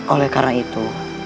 oleh karena itu